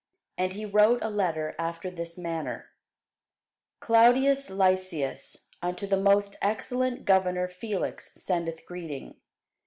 And he wrote a letter after this manner: Claudius Lysias unto the most excellent governor Felix sendeth greeting.